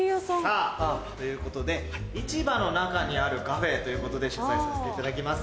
さぁということで市場の中にあるカフェということで取材させていただきます。